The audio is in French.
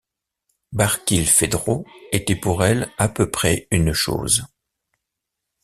Barkilphedro était pour elle à peu près une chose.